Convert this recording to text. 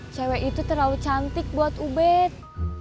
cewek itu terlalu cantik buat ubed